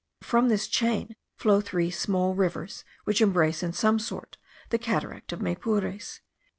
From this chain flow three small rivers, which embrace in some sort the cataract of Maypures.